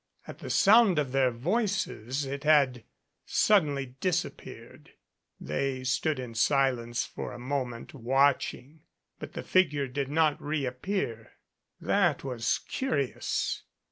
At the sound of their voices it had suddenly disappeared. They stood in silence for a moment, watching, but the figure did not reappear. "That was curious.